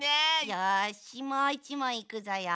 よしもう１もんいくぞよ。